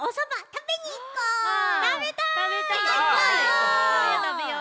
たべようたべよう。